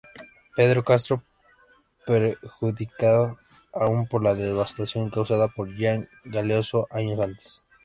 Pero Castro, perjudicada aún por la devastación, causada por Gian Galeazzo años antes.